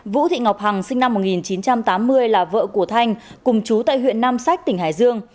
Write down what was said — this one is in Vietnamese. vũ thị ngọc hằng sinh năm một nghìn chín trăm tám mươi là vợ của thanh cùng chú tại huyện nam sách tỉnh hải dương